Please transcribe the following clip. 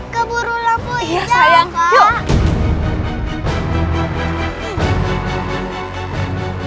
keburu buru iya sayang